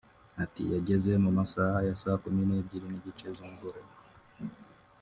Ati “Yagezeyo mu masaha ya saa Kumi n’ebyiri n’igice z’umugoroba